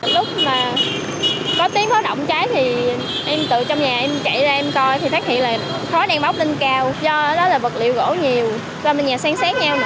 lúc mà có tiếng có động cháy thì em tự trong nhà em chạy ra em coi thì phát hiện là khói đèn bóc lên cao